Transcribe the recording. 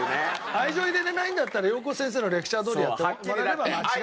愛情入れられないんだったらようこ先生のレクチャーどおりやってもらえれば間違いない。